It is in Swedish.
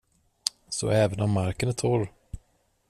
Så även om marken är torr.